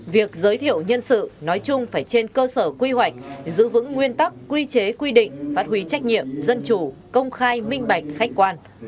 việc giới thiệu nhân sự nói chung phải trên cơ sở quy hoạch giữ vững nguyên tắc quy chế quy định phát huy trách nhiệm dân chủ công khai minh bạch khách quan